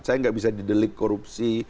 saya nggak bisa didelik korupsi